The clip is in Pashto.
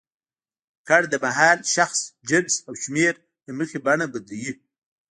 کړ د مهال، شخص، جنس او شمېر له مخې بڼه بدلوي.